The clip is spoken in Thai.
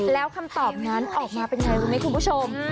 แล้วคำตอบนั้นออกมาเป็นไงรู้ไหมคุณผู้ชม